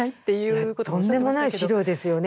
とんでもない資料ですよね。